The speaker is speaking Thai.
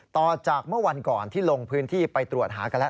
ต่อจากเมื่อวันก่อนที่ลงพื้นที่ไปตรวจหากันแล้ว